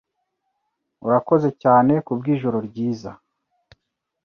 Urakoze cyane kubwijoro ryiza .